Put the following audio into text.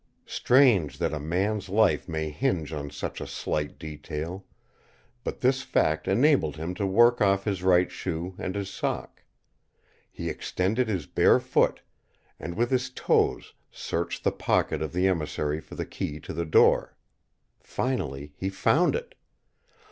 Strange that a man's life may hinge on such a slight detail, but this fact enabled him to work off his right shoe and his sock. He extended his bare foot, and with his toes searched the pocket of the emissary for the key to the door. Finally he found it.